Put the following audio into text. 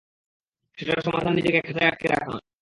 সেটার সমাধান নিজেকে খাচায় আটকে রাখা নয়।